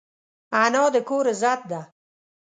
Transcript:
انا د کور عزت ده